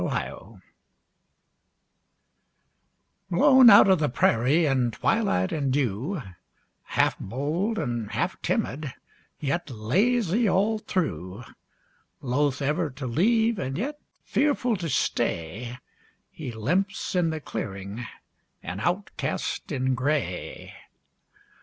COYOTE Blown out of the prairie in twilight and dew, Half bold and half timid, yet lazy all through; Loath ever to leave, and yet fearful to stay, He limps in the clearing, an outcast in gray.